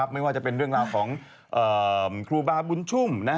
ไม่ว่าจะเป็นเรื่องราวของครูบาบุญชุ่ม